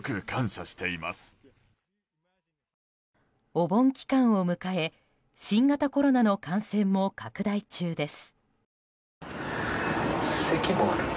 お盆期間を迎え新型コロナの感染も拡大中です。